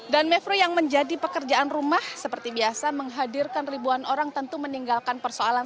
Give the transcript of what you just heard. dan mevru yang menjadi pekerjaan rumah seperti biasa menghadirkan ribuan orang tentu meninggalkan persoalan